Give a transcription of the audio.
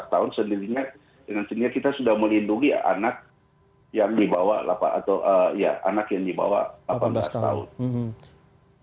delapan belas tahun sendirinya kita sudah melindungi anak yang dibawa delapan belas tahun